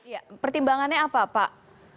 ya pertimbangannya apa pak